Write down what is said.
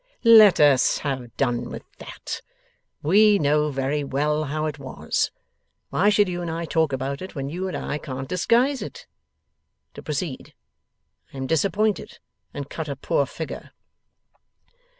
Let us have done with that. WE know very well how it was. Why should you and I talk about it, when you and I can't disguise it? To proceed. I am disappointed and cut a poor figure.